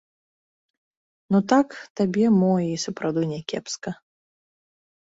Ну так, табе, мо, і сапраўды, някепска.